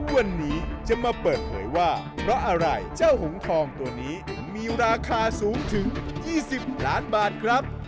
วันนี้จะมาเปิดเผยว่าเพราะอะไรเจ้าหงทองตัวนี้มีราคาสูงถึง๒๐ล้านบาทครับ